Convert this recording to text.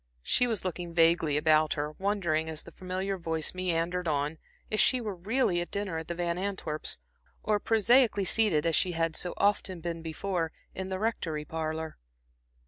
She was looking vaguely about her, wondering as the familiar voice meandered on, if she were really at dinner at the Van Antwerps', or prosaically seated as she had so often been before, in the Rectory parlor.